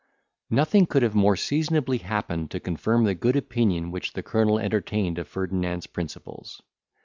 Nothing could have more seasonably happened to confirm the good opinion which the colonel entertained of Ferdinand's principles.